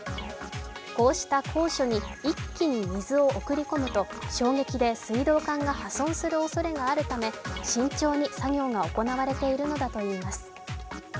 こうした高所に一気に水を送り込むと衝撃で水道管が破損するおそれがあるため慎重に作業が行われているのだといいます。